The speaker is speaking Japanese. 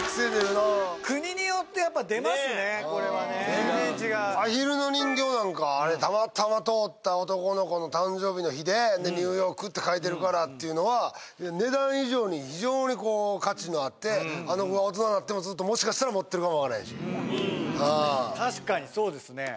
全然違うアヒルの人形なんかあれたまたま通った男の子の誕生日の日でで「ＮＥＷＹＯＲＫ」って書いてるからっていうのは値段以上に非常にこう価値のあってあの子が大人になってもずっともしかしたら持ってるかも分からへんし確かにそうですね